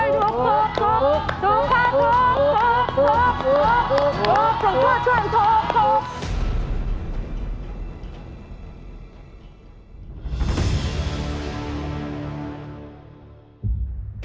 ถูกถูกถูกถูก